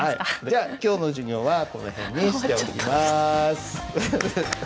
じゃあ今日の授業はこの辺にしておきます。